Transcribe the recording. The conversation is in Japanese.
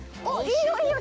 いいよいいよ！